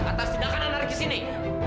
atas tindakan analis ini